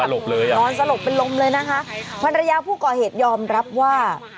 นอนสลบเลยอ่ะค่ะพันรยาผู้ก่อเหตุยอมรับว่า